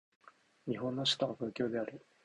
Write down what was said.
日本の首都は東京である